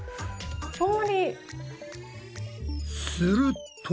すると。